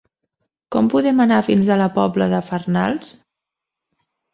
Com podem anar fins a la Pobla de Farnals?